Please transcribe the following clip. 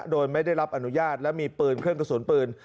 โดยไม่ได้รับอนุญาตและมีปืนเครื่องกระสุนปืน